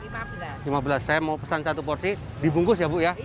saya mau pesan satu porsi dibungkus ya bu ya